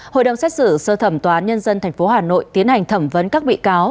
hội đồng xét xử sơ thẩm tòa án nhân dân tp hà nội tiến hành thẩm vấn các bị cáo